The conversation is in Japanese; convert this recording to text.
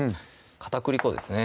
片栗粉ですね